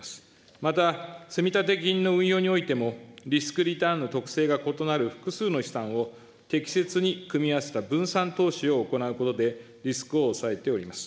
また、積立金の運用においても、リスクリターンの特性が異なる複数の資産を適切に組み合わせた分散投資を行うことで、リスクを抑えております。